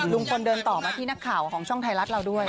ลุงพลเดินต่อมาที่นักข่าวของช่องไทยรัฐเราด้วย